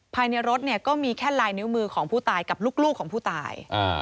ภายในรถเนี่ยก็มีแค่ลายนิ้วมือของผู้ตายกับลูกของผู้ตาย